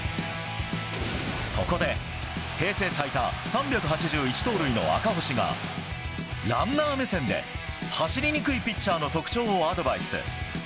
そこで、平成最多３８１盗塁の赤星がランナー目線で走りにくいピッチャーの特徴をアドバイス。